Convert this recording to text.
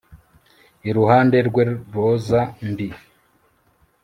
Iruhande rwe roza mbi